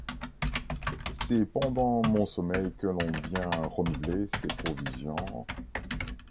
C’est pendant mon sommeil que l’on vient renouveler ces provisions…